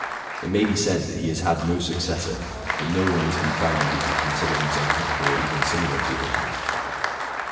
It may be said, that he has had no suecessor, that no one has been found who could consider himself equal or even similar to him.